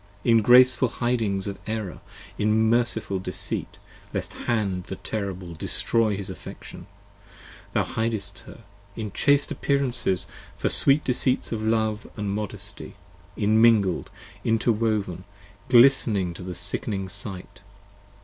In graceful hidings of error, in merciful deceit, 30 Lest Hand the terrible destroy his Affection, thou hidest her: In chaste appearances for sweet deceits of love & modesty, Immingled, interwoven, glistening to the sickening sight.